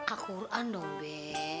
al quran dong be